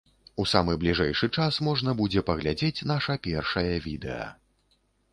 У самы бліжэйшы час можна будзе паглядзець наша першае відэа.